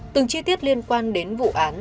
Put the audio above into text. từng chi tiết liên quan đến vụ án